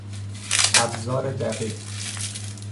ابزار دقیق